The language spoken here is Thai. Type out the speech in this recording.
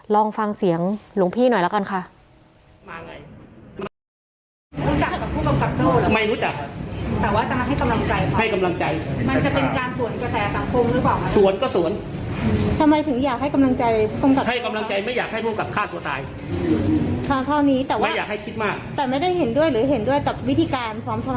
ลองฟังเสียงหลวงพี่หน่อยแล้วกันค่ะ